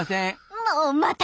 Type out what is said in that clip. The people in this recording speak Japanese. ンもうまた？